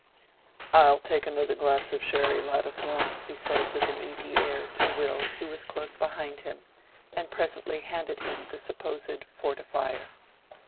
"I'll take another glass of sherry, Ladislaw," he said, with an easy air, to Will, who was close behind him, and presently handed him the supposed fortifier.